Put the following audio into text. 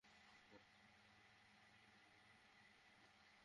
তারা সবসময় আপনাকে হাসপাতালে নিয়ে যেতে চায়।